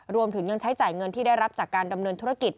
รวมถึงยังใช้จ่ายเงินที่ได้รับจากการดำเนินธุรกิจ